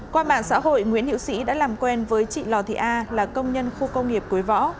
qua mạng xã hội nguyễn hiệu sĩ đã làm quen với chị lò thị a là công nhân khu công nghiệp quế võ